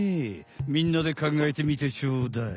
みんなでかんがえてみてちょうだい。